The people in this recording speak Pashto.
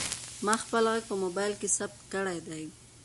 ما خپل غږ په موبایل کې ثبت کړی دی.